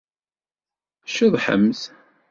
Ceḍḥemt!